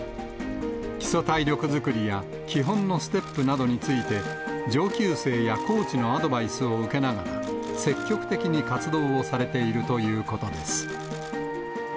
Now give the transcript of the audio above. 基礎体力作りや基本のステップなどについて、上級生やコーチのアドバイスを受けながら、積極的に活動をされているということです。